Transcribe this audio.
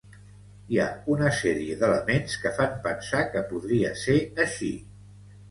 Hi ha una sèrie d’elements que fan pensar que podria ser així.